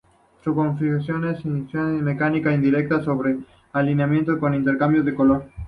Su configuración es de inyección mecánica indirecta y sobrealimentación con intercambiador de calor.